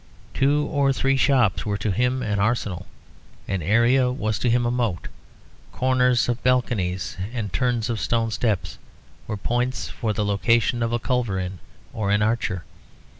Two or three shops were to him an arsenal; an area was to him a moat; corners of balconies and turns of stone steps were points for the location of a culverin or an archer.